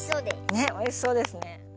ねっおいしそうですね。